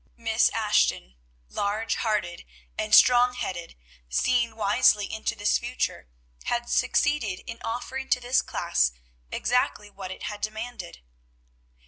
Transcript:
Miss Ashton, large hearted and strong headed, seeing wisely into this future, had succeeded in offering to this class exactly what it had demanded.